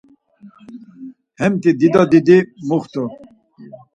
Hemti dido didi muxtu.